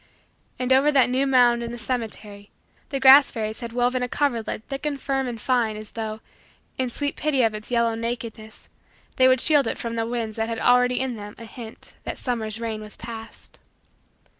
And over that new mound in the cemetery, the grass fairies had woven a coverlid thick and firm and fine as though, in sweet pity of its yellow nakedness, they would shield it from the winds that already had in them a hint that summer's reign was past.